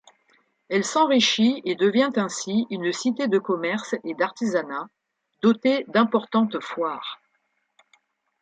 Elle s'enrichit et devient ainsi une cité de commerce et d’artisanat, dotée d’importantes foires.